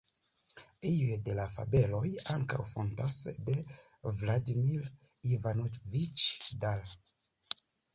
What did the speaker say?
Iuj de la fabeloj ankaŭ fontas de Vladimir Ivanoviĉ Dal.